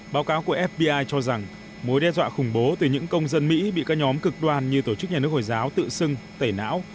báo cáo của fbi cho rằng mối đe dọa khủng bố từ những công dân mỹ bị các nhóm cực đoan như tổ chức nhà nước hồi giáo tự xưng tẩy não